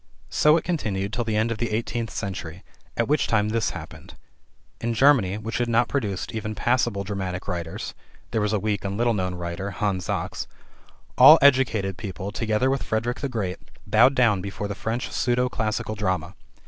So it continued till the end of the eighteenth century, at which time this happened: In Germany, which had not produced even passable dramatic writers (there was a weak and little known writer, Hans Sachs), all educated people, together with Frederick the Great, bowed down before the French pseudo classical drama.